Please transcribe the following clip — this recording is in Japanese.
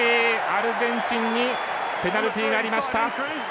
アルゼンチンにペナルティがありました。